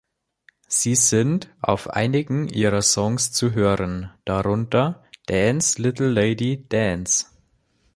Sie sind auf einigen ihrer Songs zu hören, darunter "Dance Little Lady Dance".